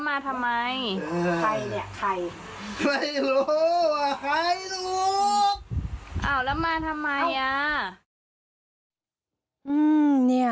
มาทำไมคะไม่เอาแล้วมาทำไม